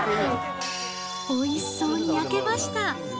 おいしそうに焼けました。